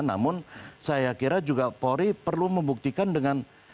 namun saya kira juga polri perlu membuktikan dengan